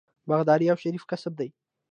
باغداري یو شریف کسب دی.